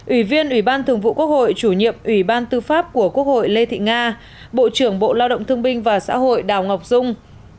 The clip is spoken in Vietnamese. ủy viên ủy ban thường vụ quốc hội chủ nhiệm ủy ban tư pháp của quốc hội lê thị nga bộ trưởng bộ lao động thương binh và xã hội đào ngọc dung